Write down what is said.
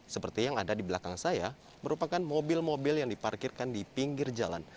seperti yang ada di belakang saya merupakan mobil mobil yang diparkirkan di pinggir jalan